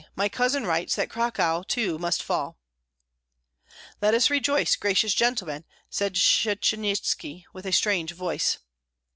My cousin writes that Cracow too must fall." "Let us rejoice, gracious gentlemen," said Shchanyetski, with a strange voice.